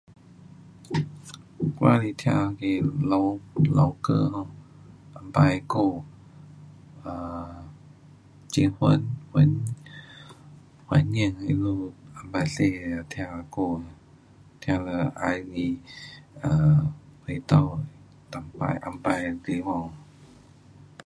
我喜欢听那个老，老歌咯。以前的歌。um 结婚，婚，婚宴他们以前时候听的歌。听了喜欢 um 回到，以前，以前的地方。